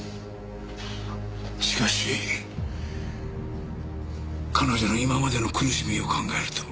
しかし彼女の今までの苦しみを考えると。